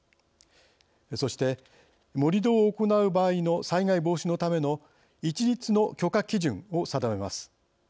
そして盛り土を行う場合の災害防止のための一律の許可基準を定めます。